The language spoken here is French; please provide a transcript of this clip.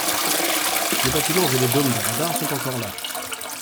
Les bâtiments et les dômes de radar sont encore là.